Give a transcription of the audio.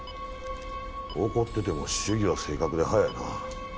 怒ってても手技は正確で早いなあ。